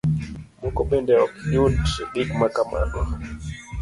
Moko bende ok yud gik makamago.